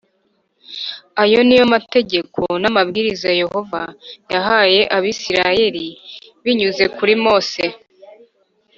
Ayo ni yo mategeko n amabwiriza Yehova yahaye Abisirayeli binyuze kuri Mose